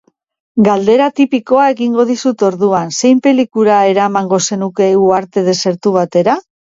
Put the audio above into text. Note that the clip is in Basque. Galdera tipikoa egingo dizut orduan, zein pelikula eramango zenuke uharte desertu batera?